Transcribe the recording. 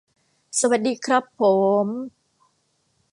สวัสดีครับโผม